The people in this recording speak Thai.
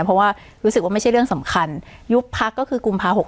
เพราะว่ารู้สึกว่าไม่ใช่เรื่องสำคัญยุบพักก็คือกุมภา๖๖